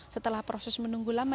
setelah proses menunggu lama